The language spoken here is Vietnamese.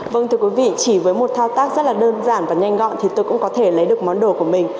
vâng thưa quý vị chỉ với một thao tác rất là đơn giản và nhanh gọn thì tôi cũng có thể lấy được món đồ của mình